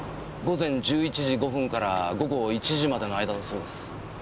午前１１時５分から午後１時までの間だそうです。